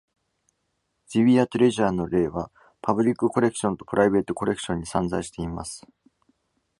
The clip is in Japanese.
「Ziwiye Treasure」の例は、パブリックコレクションとプライベートコレクションに散在しています。